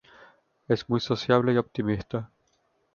Es muy sociable y optimista.